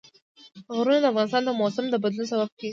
غرونه د افغانستان د موسم د بدلون سبب کېږي.